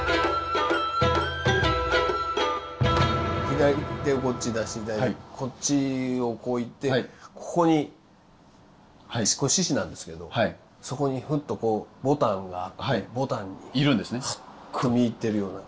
左手をこっち出していただいてこっちをこういってここにこれ獅子なんですけどそこにふっとこうボタンがあってボタンにハッと見入ってるような。